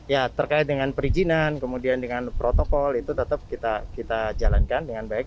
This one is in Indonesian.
ya terkait dengan perizinan kemudian dengan protokol itu tetap kita jalankan dengan baik